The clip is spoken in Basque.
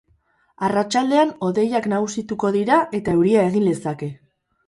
Arratsaldean hodeiak nagusituko dira eta euria egin lezake.